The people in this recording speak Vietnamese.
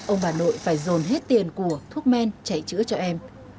ông bà nội phải dồn hết tiền của thuốc men chạy chữa cho em